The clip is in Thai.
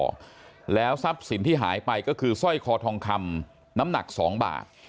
แล้วทรัพย์สินที่หายไปก็คือสร้อยคอทองคำน้ำหนักสองบาท